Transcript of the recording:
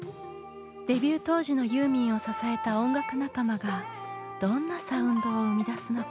デビュー当時のユーミンを支えた音楽仲間がどんなサウンドを生み出すのか？